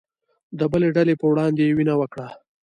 د بلې ډلې په وړاندې يې وينه وکړه